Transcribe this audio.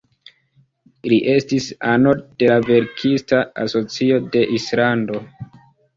Li estis ano de la verkista asocio de Islando.